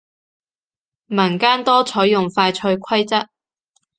民間多採用快脆規則